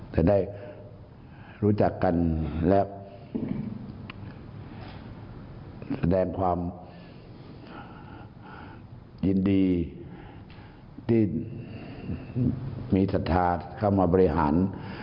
จะได้รู้จักกันและแสดงความยินดีที่มีศรัทธาเข้ามาบริหาร